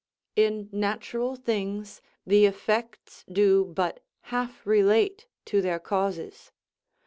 In natural things the effects do but half relate to their causes.